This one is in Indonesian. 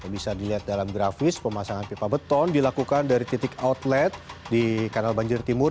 bisa dilihat dalam grafis pemasangan pipa beton dilakukan dari titik outlet di kanal banjir timur